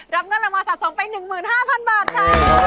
รับเงินรางวัลสะสมไป๑๕๐๐๐บาทค่ะ